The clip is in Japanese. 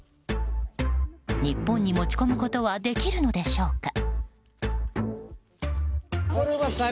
日本に持ち込むことはできるのでしょうか。